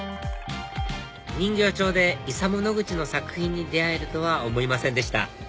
人形町でイサム・ノグチの作品に出会えるとは思いませんでした